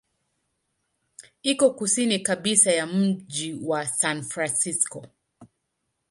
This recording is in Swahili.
Iko kusini kabisa ya mji wa San Francisco.